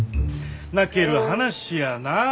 泣ける話やなぁ。